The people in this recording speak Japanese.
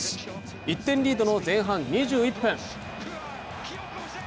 １点リードの前半２１分。